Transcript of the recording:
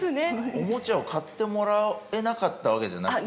おもちゃを買ってもらえなかったわけじゃなくてですか？